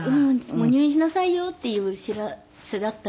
入院しなさいよっていう知らせだったみたいで。